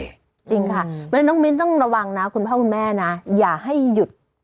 เนื่องให้น้องมิ๊ดต้องระวังคุณพ่อคุณแม่นะอย่าให้หยุด